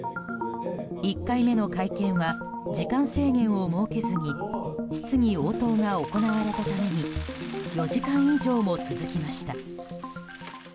１回目の会見は制限時間を設けずに質疑応答が行われたために４時間以上も続きました。